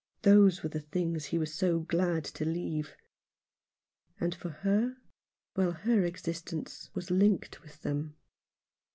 Those ,were the things he 50 Alone in London. was so glad to leave. And for her? Well, her existence was linked with them.